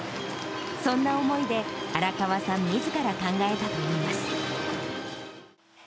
そんな思いで、荒川さんみずから考えたといいます。